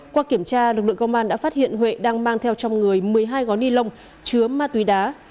qua kiểm tra lực lượng công an đã phát hiện huệ đang mang theo trong người một mươi hai gói ni lông chứa ma túy đá